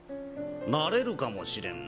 なれるかもしれん。